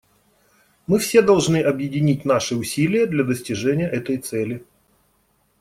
Мы все должны объединить наши усилия для достижения этой цели.